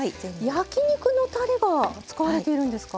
焼き肉のたれが使われているんですか？